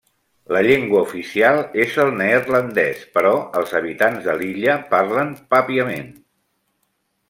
La llengua oficial és el neerlandès, però els habitants de l'illa parlen papiament.